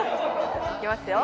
いきますよ。